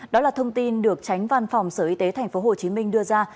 đó là thông tin được tránh văn phòng sở y tế tp hcm đưa ra